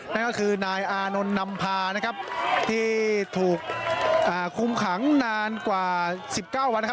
นั่นก็คือณอานนท์นำพานะครับที่ถูกอ่าคุ้มขังนานกว่าสิบเก้าวันนะครับ